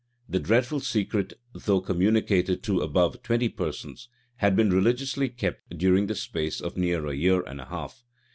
The dreadful secret, though communicated to above twenty persons, had been religiously kept during the space of near a year and a half.